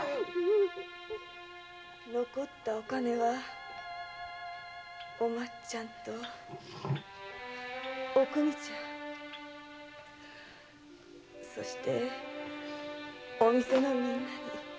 残ったお金はお町ちゃんとおくみちゃんそしてお店のみんなに。